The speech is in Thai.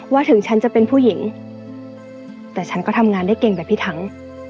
ถึงฉันจะเป็นผู้หญิงแต่ฉันก็ทำงานได้เก่งแบบพี่ทั้ง